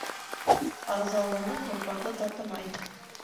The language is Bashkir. Арзанлының һурпаһы татымай.